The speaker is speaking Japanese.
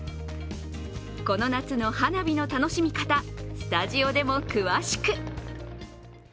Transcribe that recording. この夏の花火の楽しみ方、スタジオでも詳しく。